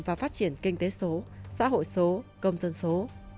và phát triển kinh tế số xã hội số công dân số